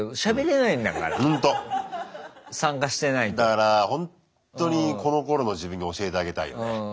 だからほんとにこのころの自分に教えてあげたいよね。